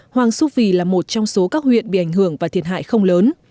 hoàng su phi là một trong số các huyện bị ảnh hưởng và thiệt hại không lớn